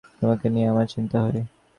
তোমাকে নিয়ে আমার চিন্তা হয়।